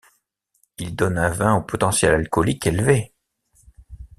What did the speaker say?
Il donne un vin au potentiel alcoolique élevé.